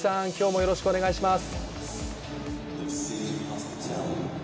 よろしくお願いします！